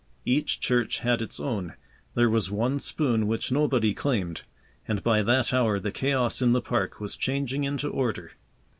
Each church had its own. There was one spoon which nobody claimed. And by that hour the chaos in the park was changing into order.